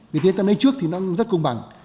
vì thế người ta lấy trước thì nó rất công bằng